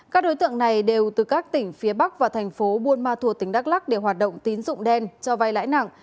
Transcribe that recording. các đối tượng này đều từ các tỉnh phía bắc và thành phố buôn ma thuột tỉnh đắk lắc để hoạt động tín dụng đen cho vai lãi nặng